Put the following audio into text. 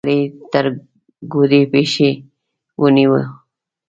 سړی يې تر ګوډې پښې ونيو.